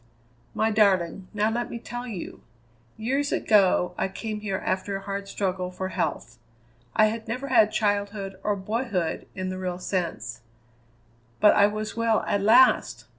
"My darling! Now let me tell you. Years ago I came here after a hard struggle for health. I had never had childhood or boyhood, in the real sense; but I was well at last!